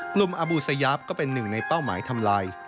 มอบอบูสยาปก็เป็นหนึ่งในเป้าหมายทำลาย